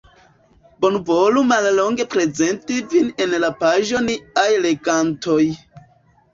Bonvolu mallonge prezenti vin en la paĝo Niaj legantoj.